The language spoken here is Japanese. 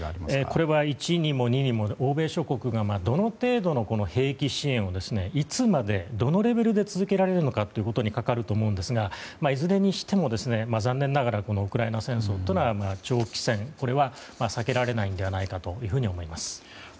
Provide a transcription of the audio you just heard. これは１にも２にも欧米諸国がどの程度の兵器支援をいつまで、どのレベルで続けられるのかということにかかると思うんですがいずれにしても残念ながらウクライナ戦争というのは長期戦は避けられないのではないかと思います。